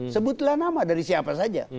sebutlah nama dari siapa saja